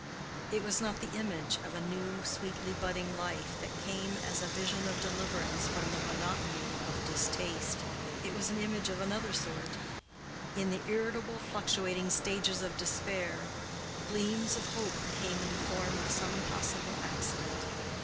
It was not the image of a new sweetly budding life that came as a vision of deliverance from the monotony of distaste: it was an image of another sort. In the irritable, fluctuating stages of despair, gleams of hope came in the form of some possible accident.